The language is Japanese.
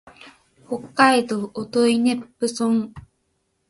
北海道音威子府村